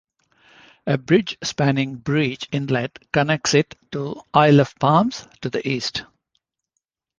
A bridge spanning Breach Inlet connects it to Isle of Palms to the east.